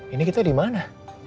ini kita dimana